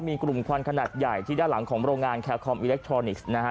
มีกลุ่มควันขนาดใหญ่ที่ด้านหลังของโรงงานแคลคอมอิเล็กทรอนิกส์นะฮะ